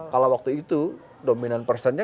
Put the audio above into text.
kalau waktu itu dominan personnya